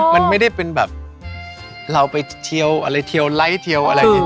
มันไม่ได้เป็นแบบเราไปเทียวอะไรเทียวไลค์เทียวอะไรเนี่ย